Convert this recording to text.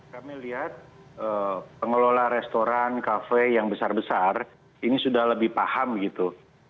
kami lihat pengelola restoran kafe yang besar besar ini sudah lebih paham gitu